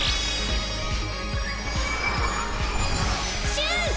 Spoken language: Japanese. シューズ！